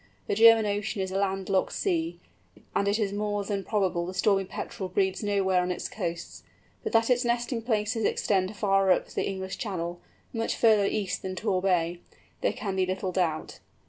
The German Ocean is a land locked sea, and it is more than probable the Stormy Petrel breeds nowhere on its coasts; but that its nesting places extend far up the English Channel—much further east than Tor Bay—there can be little doubt.